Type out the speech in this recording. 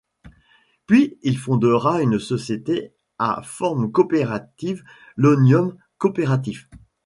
Puis il fondera une société à forme coopérative, l'Omnium coopératif.